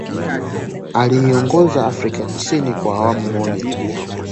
Aliiongoza Afrika Kusini kwa awamu moja